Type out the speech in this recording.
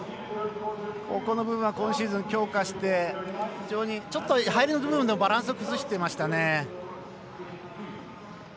ここの部分は今シーズン強化してちょっと入りの部分バランスを崩してましたね。